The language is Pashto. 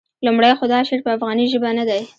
لومړی خو دا شعر په افغاني ژبه نه دی.